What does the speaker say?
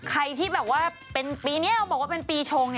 ใครที่แบบว่าเป็นปีนี้บอกว่าเป็นปีชง